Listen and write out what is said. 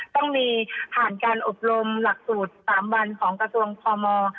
ต้องมีผ่านการอบรมหลักสูตร๓วันของกระทรวงพม